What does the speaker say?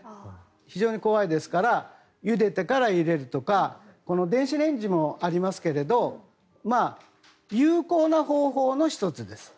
非常に怖いですからゆでてから入れるとか電子レンジもありますけれど有効な方法の１つです。